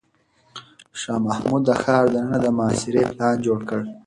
شاه محمود د ښار دننه د محاصرې پلان جوړ کړ.